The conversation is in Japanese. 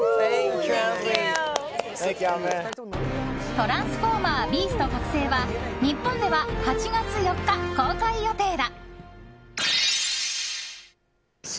「トランスフォーマー／ビースト覚醒」は日本では８月４日、公開予定だ。